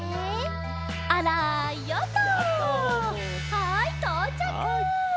はいとうちゃく！